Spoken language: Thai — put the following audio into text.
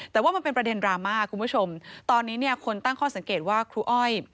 แต่ว่ามันเป็นประเด็นดราม่าคุณผู้ชมตอนนี้เนี่ยคนตั้งข้อสังเกตว่าครูอ้อย